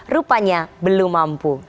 rupanya belum mampu